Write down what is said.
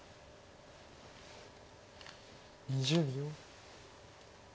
２０秒。